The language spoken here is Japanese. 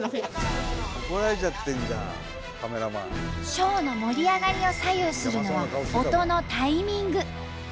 ショーの盛り上がりを左右するのは音のタイミング。